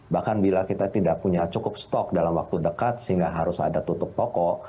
bahkan bila kita tidak punya cukup stok dalam waktu dekat sehingga harus ada tutup pokok